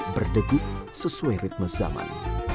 berdegup sesuai ritme zaman